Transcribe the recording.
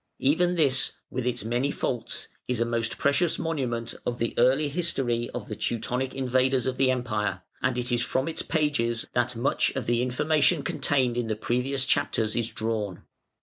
Even this, with its many faults, is a most precious monument of the early history of the Teutonic invaders of the Empire, and it is from its pages that much of the information contained in the previous chapters is drawn.